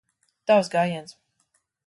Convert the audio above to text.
Tavs gājiens.